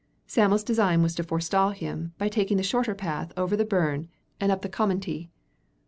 Sam'l's design was to forestall him by taking the shorter path over the burn and up the commonty.